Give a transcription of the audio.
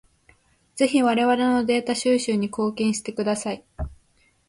ぜひ我々のデータ収集に貢献してください。